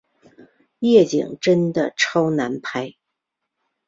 夜景真的超难拍